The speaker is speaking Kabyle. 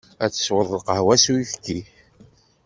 Ad tesweḍ lqahwa s uyefki.